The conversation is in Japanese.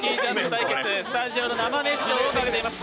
対決スタジオの生熱唱をかけています。